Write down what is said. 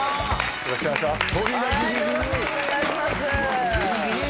よろしくお願いします。